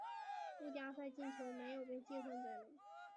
附加赛进球没有被计算在内。